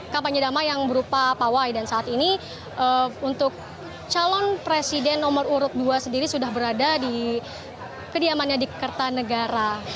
kampanye damai yang berupa pawai dan saat ini untuk calon presiden nomor urut dua sendiri sudah berada di kediamannya di kertanegara